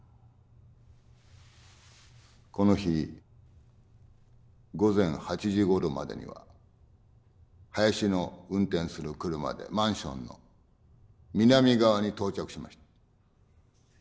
この日午前８時ごろまでにはハヤシの運転する車でマンションの南側に到着しました。